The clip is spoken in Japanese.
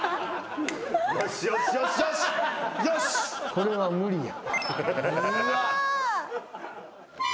これは無理や。